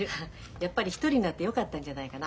やっぱり一人になってよかったんじゃないかな。